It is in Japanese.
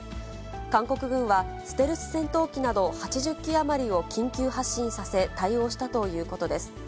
韓国軍は、ステルス戦闘機など８０機余りを緊急発進させ、対応したということです。